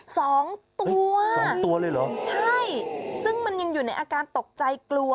สองตัวใช่ซึ่งมันยังอยู่ในอาการตกใจกลัว